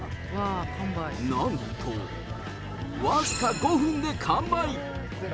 なんと、僅か５分で完売。